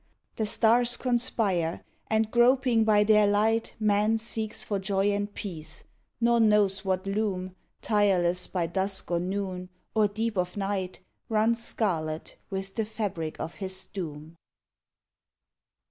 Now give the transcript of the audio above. The stars conspire, and groping by their light, Man seeks for joy and peace, nor knows what loom, Tireless by dusk or noon or deep of night, Runs scarlet with the fabric of his doom.